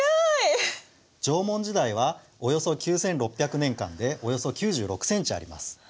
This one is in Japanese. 縄文時代はおよそ９，６００年間でおよそ９６センチあります。